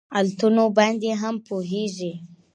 علتونو باندې هم پوهیږي